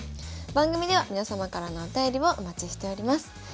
番組では皆様からのお便りをお待ちしております。